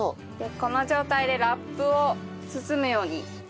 この状態でラップを包むように。